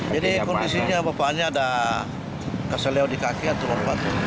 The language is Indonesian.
jadi kondisinya bapaknya ada keseliau di kaki atau lompat